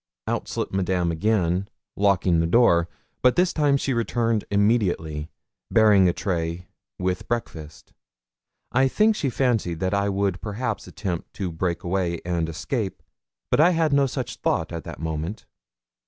Out slipped Madame again, locking the door; but this time she returned immediately, bearing a tray with breakfast. I think she fancied that I would perhaps attempt to break away and escape; but I had no such thought at that moment.